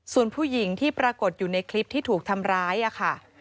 ส่วนผู้หญิงที่ปรากฏอยู่ในคลิปที่ถูกทำร้ายค่ะ